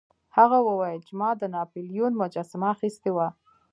هغه وویل چې ما د ناپلیون مجسمه اخیستې وه.